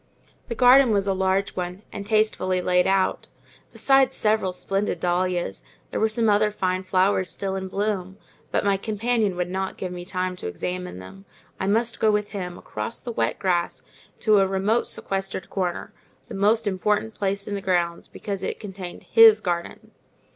The garden was a large one, and tastefully laid out; besides several splendid dahlias, there were some other fine flowers still in bloom: but my companion would not give me time to examine them: I must go with him, across the wet grass, to a remote sequestered corner, the most important place in the grounds, because it contained his garden.